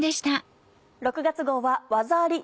６月号はワザあり！